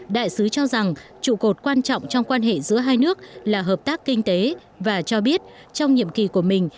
đại sứ cho rằng trụ cột quan trọng trong quan hệ giữa hai nước là hợp tác kinh tế và cho biết trong nhiệm kỳ của mình